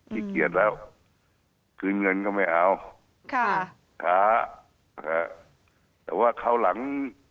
ขี้เกียจแล้วคืนเงินก็ไม่เอาค่ะค้าแต่ว่าคราวหลัง